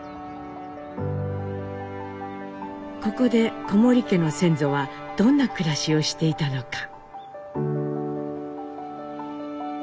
ここで小森家の先祖はどんな暮らしをしていたのか。